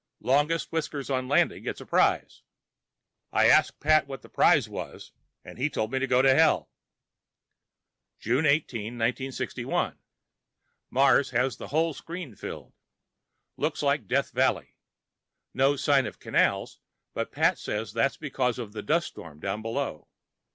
Longest whiskers on landing gets a prize. I asked Pat what the prize was and he told me to go to hell. June 18, 1961 Mars has the whole screen filled. Looks like Death Valley. No sign of canals, but Pat says that's because of the dust storm down below.